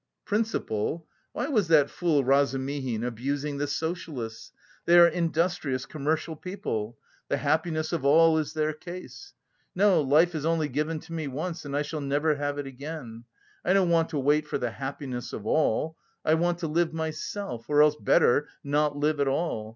Principle? Why was that fool Razumihin abusing the socialists? They are industrious, commercial people; 'the happiness of all' is their case. No, life is only given to me once and I shall never have it again; I don't want to wait for 'the happiness of all.' I want to live myself, or else better not live at all.